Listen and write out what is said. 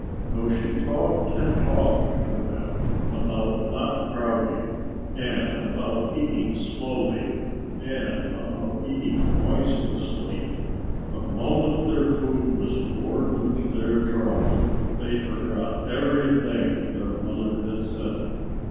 Though she talked and talked to them about not crowding, and about eating slowly, and about eating noiselessly, the moment their food was poured into their trough they forgot everything their mother had said.